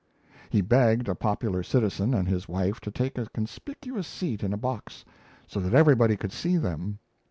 He begged a popular citizen and his wife to take a conspicuous seat in a box, so that everybody could see them.